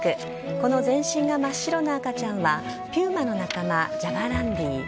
この全身が真っ白な赤ちゃんは、ピューマの仲間、ジャガランディ。